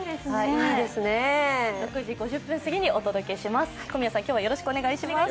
６時５０分すぎにお届けします。